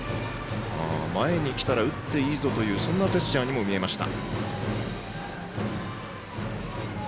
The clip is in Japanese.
前にきたら打っていいぞというそんなジェスチャーにも見えました。